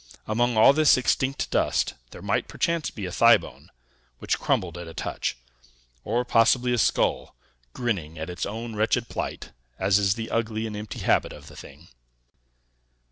Among all this extinct dust, there might perchance be a thigh bone, which crumbled at a touch; or possibly a skull, grinning at its own wretched plight, as is the ugly and empty habit of the thing.